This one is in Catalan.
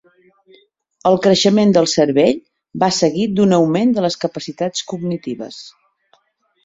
El creixement del cervell va seguit d'un augment de les capacitats cognitives.